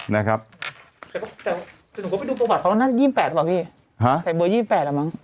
แต่ผมก็ไปดูโปรบัติเขานั่น๒๘หรอพี่ใส่เบอร์๒๘หรอมั้ง